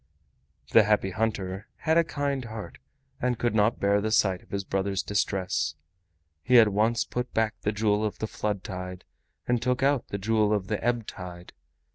The Happy Hunter had a kind heart and could not bear the sight of his brother's distress. He at once put back the Jewel of the Flood Tide and took out the Jewel of the Ebb Tide.